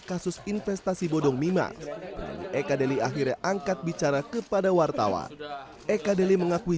kasus investasi bodong mima eka deli akhirnya angkat bicara kepada wartawan eka deli mengakui